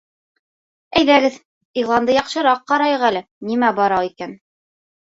Әйҙәгеҙ, иғланды яҡшыраҡ ҡарайыҡ әле, нимә бара икән